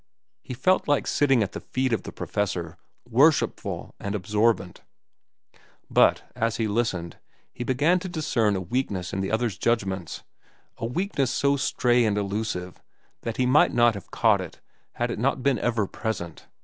He felt like sitting at the feet of the professor, worshipful and absorbent; but, as he listened, he began to discern a weakness in the other's judgments—a weakness so stray and elusive that he might not have caught it had it not been ever present.